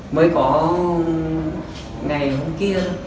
mới có ngày hôm kia